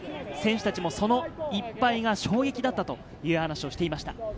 選手たちもその１敗が衝撃だったという話をしていました。